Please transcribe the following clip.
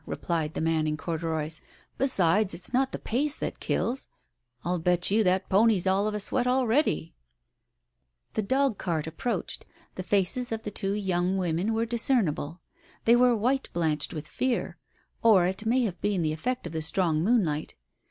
" replied the man in corduroys. " Besides, it's not the pace that kills I I'll bet you that pony's all of a sweat already I " The dog cart approached. The faces of the two young women were discernible. They were white — blanched with fear, or it may have been the effect of the strong moonlight.